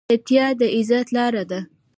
چپتیا، د عزت لاره ده.